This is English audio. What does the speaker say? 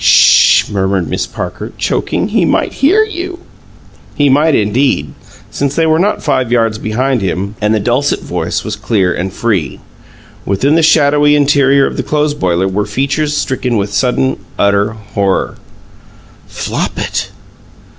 "'Sh!" murmured Miss Parcher, choking. "He might hear you." He might, indeed, since they were not five yards behind him and the dulcet voice was clear and free. Within the shadowy interior of the clothes boiler were features stricken with sudden, utter horror. "FLOPIT!"